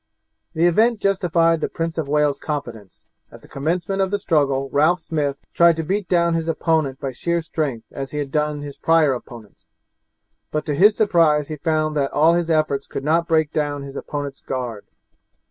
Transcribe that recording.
The event justified the Prince of Wales's confidence; at the commencement of the struggle Ralph Smith tried to beat down his opponent by sheer strength as he had done his prior opponents, but to his surprise he found that all his efforts could not break down his opponent's guard.